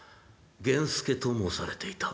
源助と申されていた」。